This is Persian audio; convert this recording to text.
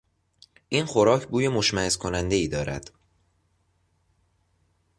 این خوراک بوی مشمئز کنندهای دارد.